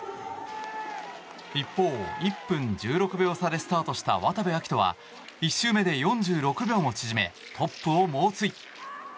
一方、１分１６秒差でスタートした渡部暁斗は１周目で４６秒も縮めトップを猛追。